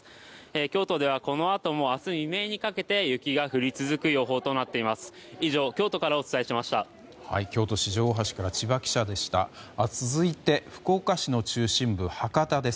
京都ではこの後も明日未明にかけて雪が降り続く予報です。